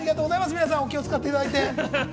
皆さん、お気を使っていただいて。